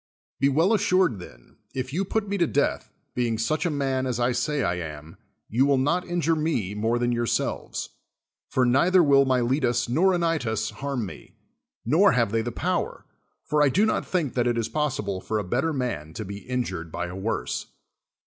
Be well assured, then, if you put me to death, being such a man as I say I am, you will not injiifc me more than yourselves. For neither will .Miletus nor Anylus liar'm me; nor have they the ]>ower; for I do not think that it is possible for a bettci man to be injur(>d by a woi'se.